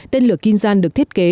tên lửa kinzhan được thiết kế